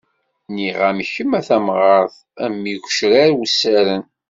Nniɣ-am kemm a tamɣart, a mm igecrar wessaren.